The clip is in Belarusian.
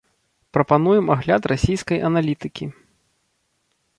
Прапануем агляд расійскай аналітыкі.